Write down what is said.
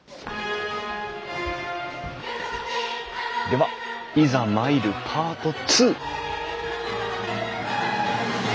ではいざ参るパート２！